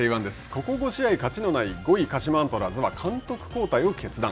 ここ５試合勝ちのない５位鹿島アントラーズは監督交代を決断。